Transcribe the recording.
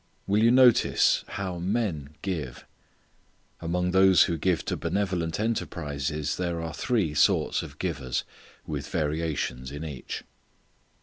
Will you notice how men give? Among those who give to benevolent enterprises there are three sorts of givers, with variations in each.